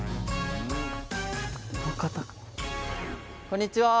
こんにちは。